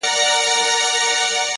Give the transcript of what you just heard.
د مرور روح د پخلا وجود کانې دي ته _